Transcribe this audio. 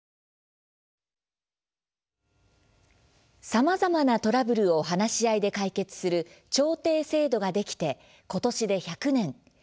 さまざまなトラブルを話し合いで解決する調停制度ができて今年で１００年。